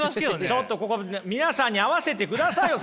ちょっとここで皆さんに会わせてくださいよ！